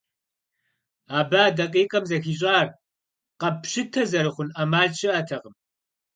Абы а дакъикъэм зэхищӏар, къэппщытэ зэрыхъун ӏэмал щыӏэтэкъым.